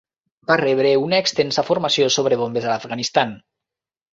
Va rebre una extensa formació sobre bombes a l'Afganistan.